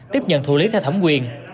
tiếp nhận thủ lý theo thẩm quyền